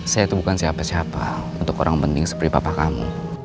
saya itu bukan siapa siapa untuk orang penting seperti papa kamu